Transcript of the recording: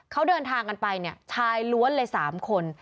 เขาเดินทางกันไปเนี่ยชายล้วนเลย๓คน